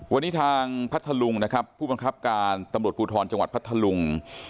วันนี้ทางพัทธลุงนะครับผู้บังคับการตำรวจภูทรจังหวัดพัทธลุง